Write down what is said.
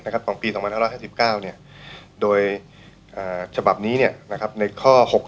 ของปี๒๕๕๙โดยฉบับนี้ในข้อ๖๖